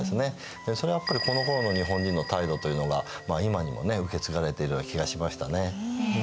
それはやっぱりこのころの日本人の態度というのが今にも受け継がれているような気がしましたね。